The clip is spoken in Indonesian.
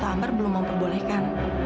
tante amber belum memperbolehkan